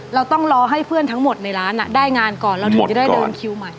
เราต้องรอให้เพื่อนทั้งหมดในร้านได้งานก่อนเราถึงจะได้เดินคิวใหม่